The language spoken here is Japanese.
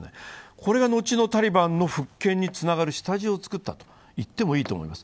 これが後のタリバンの復権につながる下地を作ったと言っていいと思います。